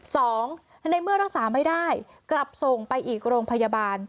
สองในเมื่อรักษาไม่ได้กลับส่งไปอีกโรงพยาบาล